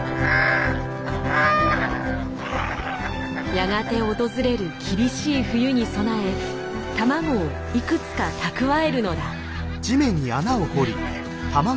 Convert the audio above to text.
やがて訪れる厳しい冬に備え卵をいくつか蓄えるのだ。